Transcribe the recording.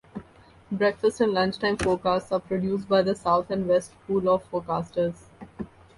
Breakfast and lunchtime forecasts are produced by the south and west pool of forecasters.